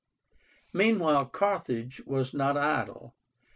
Meanwhile Carthage was not idle.